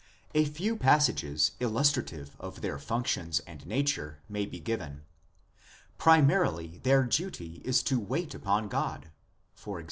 A few passages illustrative of their functions and nature may be given. Primarily their duty is to wait upon God (e.g.